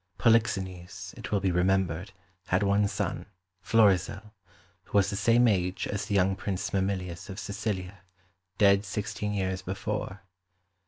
Polixenes, it will be remembered, had one son, Florizel, who was the same age as the young Prince Mamillius of Sicilia, dead sixteen years before.